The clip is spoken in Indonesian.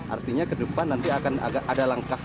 artinya ke depan nanti akan ada langkah